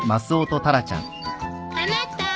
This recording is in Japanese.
あなた！